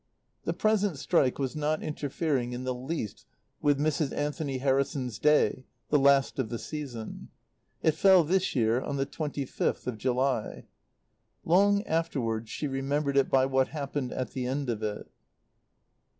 The present strike was not interfering in the least with Mrs. Anthony Harrison's Day, the last of the season. It fell this year, on the twenty fifth of July. Long afterwards she remembered it by what happened at the end of it.